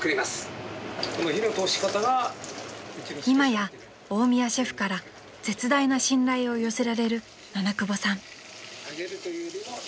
［今や大宮シェフから絶大な信頼を寄せられる七久保さん］